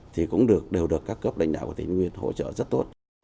thì cũng đều được các cấp đánh đạo của tỉnh thái nguyên hỗ trợ rất tốt